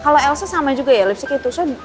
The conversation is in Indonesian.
kalau elsa sama juga ya lipstick itu